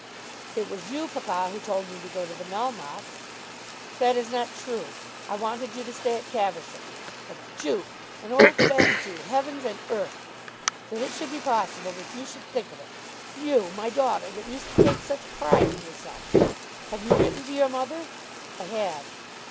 "It was you, papa, who told me to go to the Melmottes." "That is not true. I wanted you to stay at Caversham. A Jew! an old fat Jew! Heavens and earth! that it should be possible that you should think of it! You; my daughter, that used to take such pride in yourself! Have you written to your mother?" "I have."